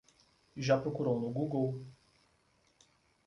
Já procurou no Google?